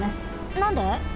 なんで？